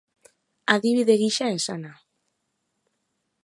Adibide gisa esana.